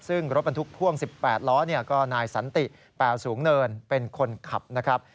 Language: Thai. ซึ่งรถบรรทุกพ่วง๑๘ล้อก็นายสันติแปลสูงเนินเป็นคนขับนะครับ